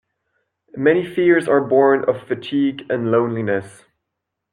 Many fears are born of fatigue and loneliness.